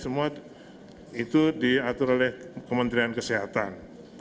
semua itu diatur oleh kementerian kesehatan